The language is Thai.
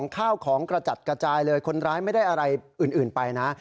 ข้าวของกระจัดกระจายเลยคนร้ายไม่ได้อะไรอื่นไปนะ